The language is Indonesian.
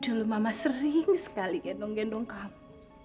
dulu mama sering sekali gendong gendong kamu